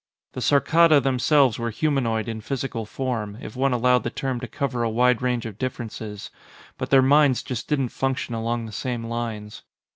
The Saarkkada themselves were humanoid in physical form if one allowed the term to cover a wide range of differences but their minds just didn't function along the same lines.